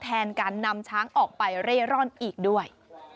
แทนการนำช้างออกไปเร่ร่อนอีกด้วย